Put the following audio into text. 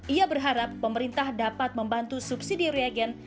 ia berharap pemerintah dapat membantu subsidi reagen